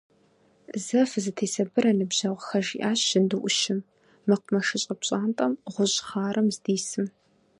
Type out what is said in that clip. Зэ фызэтесабырэ, ныбжьэгъухэ! – жиӏащ жьынду ӏущым, мэкъумэшыщӏэ пщӏантӏэм гъущӏ хъарым здисым.